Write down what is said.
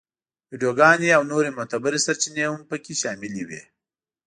ویډیوګانې او نورې معتبرې سرچینې هم په کې شاملې وې.